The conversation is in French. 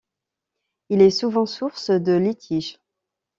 Il est souvent source de litige.